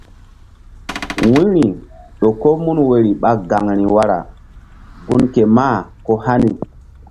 Wu̧yri ƴo ko mun woyri ɓa gaŋri wara gun ke mah ko hani.